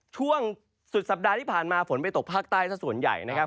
ช่วงสุดสัปดาห์ที่ผ่านมาฝนไปตกภาคใต้สักส่วนใหญ่นะครับ